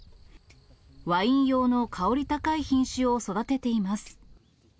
ワイン用の香り高い品種を育てています。